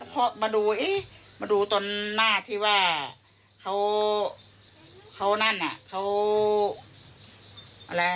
พอมาดูเอ๊ะมาดูตอนหน้าที่ว่าเขานั่นอ่ะเขาอะไร